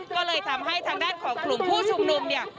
ก็เลยทำให้ทางด้านของกลุ่มผู้ชุมนุมเนี่ย